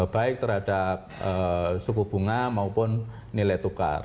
baik terhadap suku bunga maupun nilai tukar